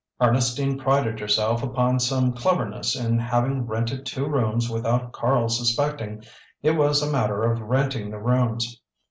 Ernestine prided herself upon some cleverness in having rented two rooms without Karl's suspecting it was a matter of renting the rooms.